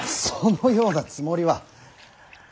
そのようなつもりは。